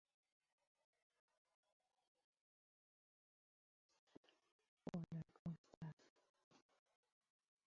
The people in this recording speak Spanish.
Este es el origen lejano del pentagrama.